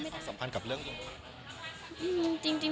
สัมพันธ์กับเรื่องจริงหนู